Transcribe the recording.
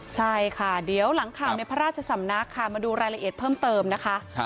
ใช่ค่ะเดี๋ยวหลังข่าวในพระราชสำนักค่ะมาดูรายละเอียดเพิ่มเติมนะคะ